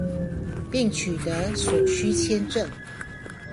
並取得所需簽證